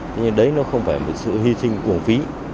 thế nhưng đấy nó không phải một sự hy sinh quổng phí